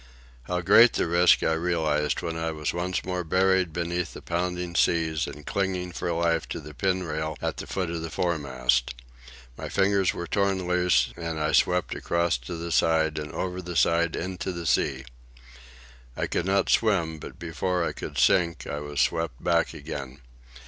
How great the risk I realized when I was once more buried beneath the pounding seas and clinging for life to the pinrail at the foot of the foremast. My fingers were torn loose, and I swept across to the side and over the side into the sea. I could not swim, but before I could sink I was swept back again.